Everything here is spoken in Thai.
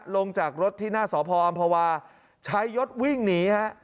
ลงจากรถที่หน้าสอพออำภาวาชายศรัชดาวิ่งหนีนะฮะ